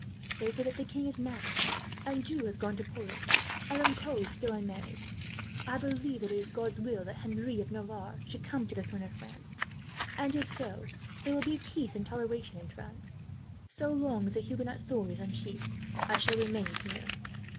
They say that the king is mad. Anjou has gone to Poland. Alencon is still unmarried. I believe that it is God's will that Henry of Navarre should come to the throne of France, and if so, there will be peace and toleration in France. So long as a Huguenot sword is unsheathed, I shall remain here."